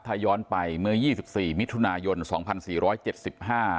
ถ้าย้อนไปเมื่อยี่สิบสี่มิถุนายนสองพันสี่ร้อยเจ็ดสิบห้า